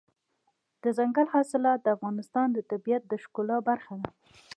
دځنګل حاصلات د افغانستان د طبیعت د ښکلا برخه ده.